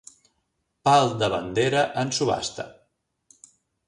Pal de bandera en subhasta.